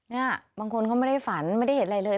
เนี่ยบางคนเขาไม่ได้ฝันไม่ได้เห็นอะไรเลย